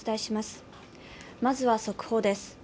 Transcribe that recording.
まずは速報です。